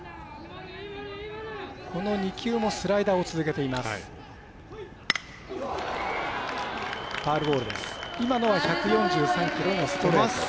この２球もスライダーを続けています。